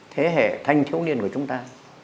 thế hệ thanh thiếu niên của chúng ta